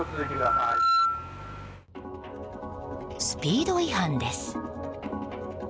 スピード違反です。